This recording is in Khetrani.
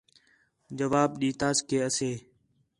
جواب ݙِتاس کہ اَسے